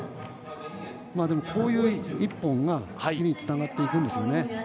でも、こういう１本が次につながっていくんですよね。